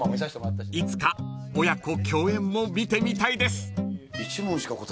［いつか親子共演も見てみたいです］